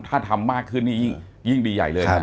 ถ้าทำมากขึ้นนี่ยิ่งดีใหญ่เลย